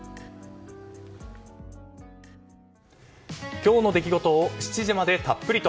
今日の出来事を７時までたっぷりと。